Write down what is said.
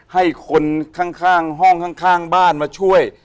ให้คนข้างห้องข้างบ้านมาช่วย